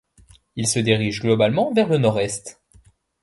Il se dirige globalement vers le nord-est.